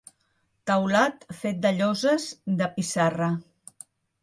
Teulat fet de lloses de pissarra.